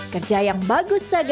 kerja yang bagus saga